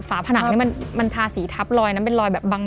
ฝ้าผนังเนี้ยมันทาสีทับลอยนั้นเป็นลอยแบบบาง